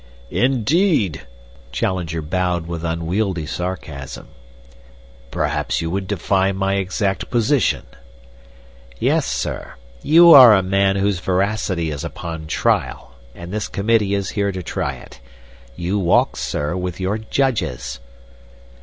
"Indeed!" Challenger bowed with unwieldy sarcasm. "Perhaps you would define my exact position." "Yes, sir. You are a man whose veracity is upon trial, and this committee is here to try it. You walk, sir, with your judges."